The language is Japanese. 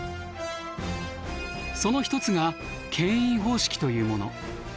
その一つがけん引方式というもの。